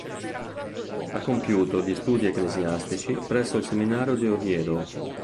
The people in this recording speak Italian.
Ha compiuto gli studi ecclesiastici presso il seminario di Oviedo.